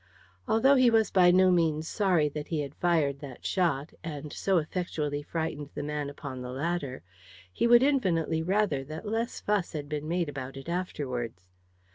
Although he was by no means sorry that he had fired that shot, and so effectually frightened the man upon the ladder, he would infinitely rather that less fuss had been made about it afterwards.